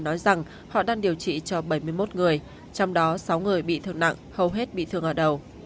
nói rằng họ đang điều trị cho bảy mươi một người trong đó sáu người bị thương nặng hầu hết bị thương ở đầu